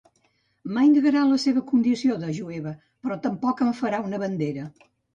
Mai negarà la seva condició de jueva, però tampoc en farà una bandera.